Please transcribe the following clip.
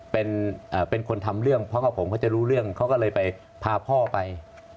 เป็นคนทำเรื่องเพราะว่าผมเขาจะรู้เรื่องเขาก็เลยไปพาพ่อไป